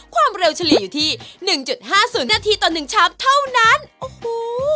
ความเร็วเฉลี่ยอยู่ที่หนึ่งจุดห้าศูนย์นาทีต่อหนึ่งชามเท่านั้นโอ้โห